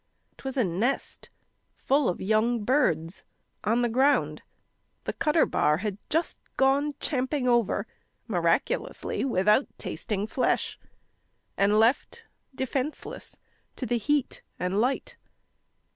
'Twas a nest full of young birds on the ground The cutter bar had just gone champing over (Miraculously without tasting flesh) And left defenseless to the heat and light.